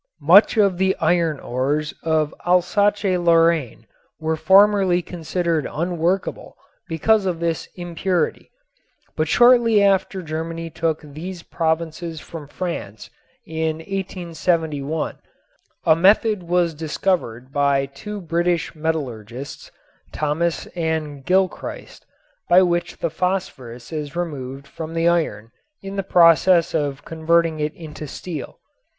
Much of the iron ores of Alsace Lorraine were formerly considered unworkable because of this impurity, but shortly after Germany took these provinces from France in 1871 a method was discovered by two British metallurgists, Thomas and Gilchrist, by which the phosphorus is removed from the iron in the process of converting it into steel.